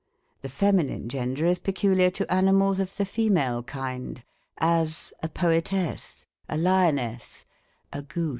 The feminine gender is peculiar to animals of the fe male kind : as, a poetess, a lioness, a goose.